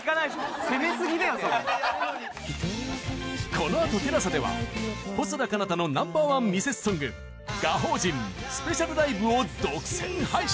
このあと ＴＥＬＡＳＡ では細田佳央太のナンバーワンミセスソング『我人』スペシャル ＬＩＶＥ を独占配信！